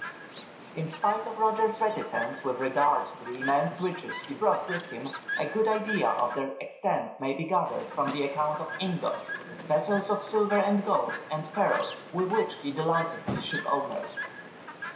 In spite of Rogers' reticence with regard to the immense riches he brought with him, a good idea of their extent may be gathered from the account of ingots, vessels of silver and gold, and pearls, with which he delighted the shipowners.